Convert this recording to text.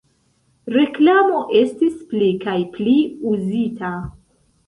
Reklamo estis pli kaj pli uzita.